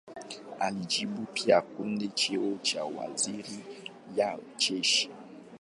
Alijaribu pia kudai cheo cha waziri wa jeshi.